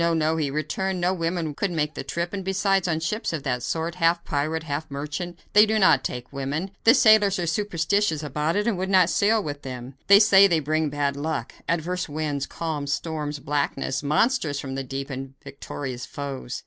no!" he returned; "no woman could make the trip, and, besides, on ships of that sort, half pirate, half merchant, they do not take women. The sailors are superstitious about it and will not sail with them. They say they bring bad luck adverse winds, calms, storms, blackness, monsters from the deep and victorious foes."